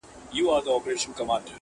ورور گلوي له مظلومانو سره وایي؛